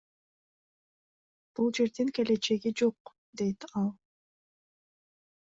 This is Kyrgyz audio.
Бул жердин келечеги жок, — дейт ал.